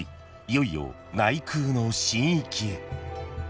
いよいよ内宮の神域へ］